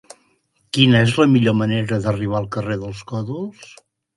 Quina és la millor manera d'arribar al carrer dels Còdols?